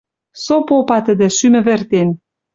Со попа тӹдӹ, шӱм ӹвӹртен: